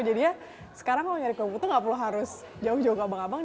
jadi ya sekarang kalau nyari kue putu gak perlu harus jauh jauh ke abang abang